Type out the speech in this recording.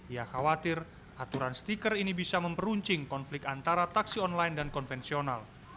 ia khawatir aturan stiker ini bisa memperuncing konflik antara taksi online dan konvensional